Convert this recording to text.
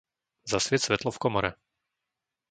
Zasvieť svetlo v komore.